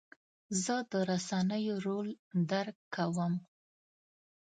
زه د رسنیو رول درک کوم.